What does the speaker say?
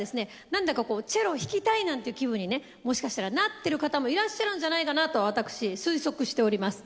なんだかこうチェロを弾きたいなんていう気分にねもしかしたらなってる方もいらっしゃるんじゃないかなと私推測しております。